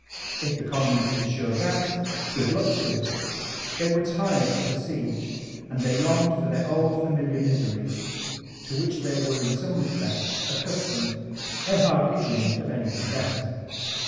If the Commune could assure that, good kKk to iti They were tired of the siege; and they longed for their old familiar miseries to which they were in some respect accustomed; they hardly dreamed of any niing better.